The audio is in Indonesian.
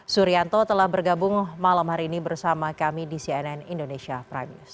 suryanto telah bergabung malam hari ini bersama kami di cnn indonesia prime news